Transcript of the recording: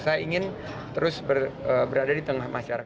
saya ingin terus berada di tengah masyarakat